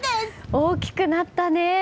大きくなったね。